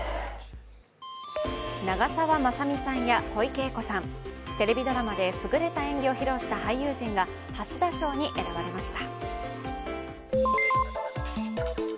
長澤まさみさんや小池栄子さん、テレビドラマですぐれた演技を披露した俳優陣が橋田賞に選ばれました。